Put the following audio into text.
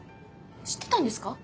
知ってたんですか？